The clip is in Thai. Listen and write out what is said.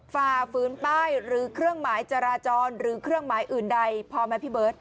ฝ่าฝืนป้ายหรือเครื่องหมายจราจรหรือเครื่องหมายอื่นใดพอไหมพี่เบิร์ต